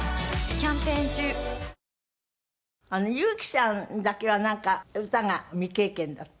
ＹＵ−ＫＩさんだけはなんか歌が未経験だった？